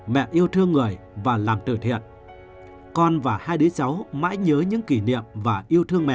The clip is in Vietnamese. mẹ yêu thương người và làm từ thiện con và hai đứa cháu mãi nhớ những kỷ niệm và yêu thương mẹ